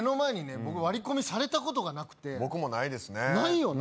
僕割り込みされたことがなくて僕もないですねないよな？